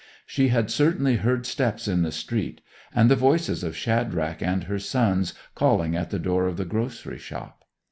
She had certainly heard steps in the street, and the voices of Shadrach and her sons calling at the door of the grocery shop.